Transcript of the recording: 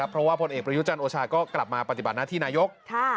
เพราะว่าพลเอกประยุจันทร์โอชาก็กลับมาปฏิบัติหน้าที่นายก